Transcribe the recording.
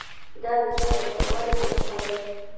دا د چارو د ښه والي په موخه دی.